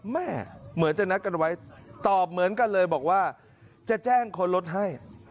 เหมือนจะนัดกันไว้ตอบเหมือนกันเลยบอกว่าจะแจ้งคนรถให้